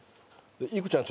「いくちゃん